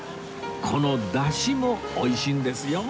このダシも美味しいんですよ